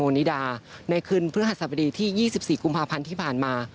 ในคืนฟลานังสรรพดีที่ยี่สิบสี่กุมภาพันธ์ที่ผ่านมา